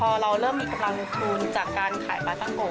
พอเราเริ่มมีกำลังรูปฐูมจากการขายปาตะโก